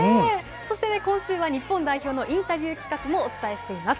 そして今週は日本代表のインタビュー企画もお伝えしています。